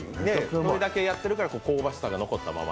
これだけやってるから香ばしさが残ったまま。